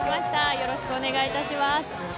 よろしくお願いします。